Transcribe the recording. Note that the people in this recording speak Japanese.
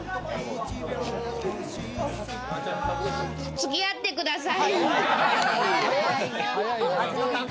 つき合ってください。